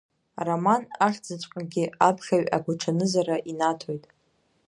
Ароман ахьӡыҵәҟьагьы аԥхьаҩ агәаҽанызара инаҭоит.